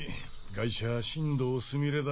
ガイシャは新堂すみれだ。